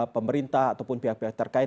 pemerintah ataupun pihak pihak terkait